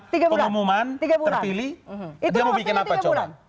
terpilih dia mau bikin apa coba